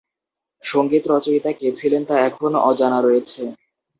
সঙ্গীত রচয়িতা কে ছিলেন তা এখনো অজানা রয়েছে।